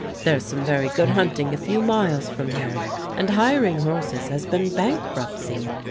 There's some very good hunting a few miles from here, and hir ing horses has been bankruptcy.